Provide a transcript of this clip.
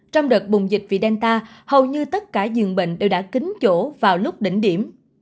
trong đợt bùng dịch vì delta hầu như tất cả dường bệnh đều đã kính chỗ vào lúc đỉnh điểm